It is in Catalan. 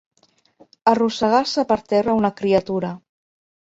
Arrossegar-se per terra una criatura.